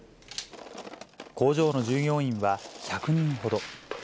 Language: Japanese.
工場の従業員は１００人ほど。